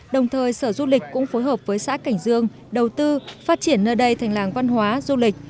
đồng thời sở du lịch cũng phối hợp với xã cảnh dương đầu tư phát triển nơi đây thành làng văn hóa du lịch